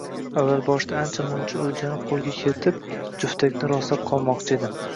Avvalboshda ancha-muncha o`ljani qo`lga kiritib, juftakni rostlab qolmoqchi edim